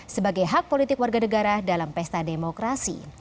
sebagai hak politik warga negara dalam pesta demokrasi